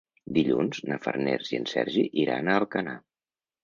Dilluns na Farners i en Sergi iran a Alcanar.